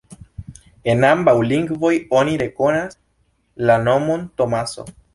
En ambaŭ lingvoj oni rekonas la nomon Tomaso.